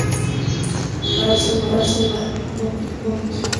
Para salvar a su novia, Bobby congeló a Rocky en un bloque de hielo.